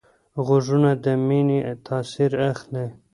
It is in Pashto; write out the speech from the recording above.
غوږونه د مینې تاثر اخلي